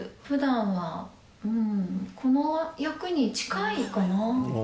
ふだんは、この役に近いかな。